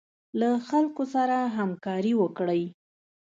له خلکو سره همکاري وکړئ.